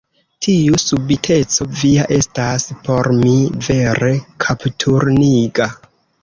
Tiu subiteco via estas por mi vere kapturniga.